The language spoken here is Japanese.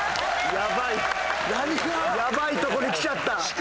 ヤバいとこに来ちゃった！